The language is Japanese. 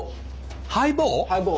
ハイボー。